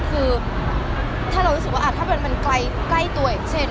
คือถ้าเรารู้สึกว่าอาจจะมันใกล้ตัวอีกเช่น